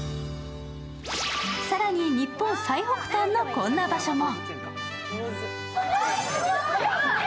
更に日本最北端の、こんな場所も。